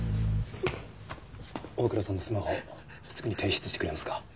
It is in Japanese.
大倉さんのスマホすぐに提出してくれますか？